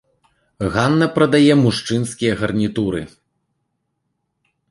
Ганна прадае мужчынскія гарнітуры.